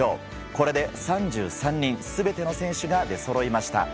これで３３人全ての選手が出そろいました。